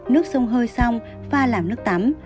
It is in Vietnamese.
nước xông hơi xong pha làm nước tắm